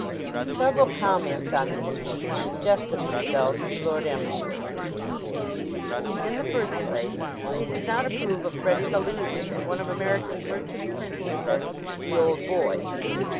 Several comments on this speech suggested themselves to Lord Emsworth. In the first place, he did not approve of Freddie's allusion to one of America's merchant princes as "the old boy."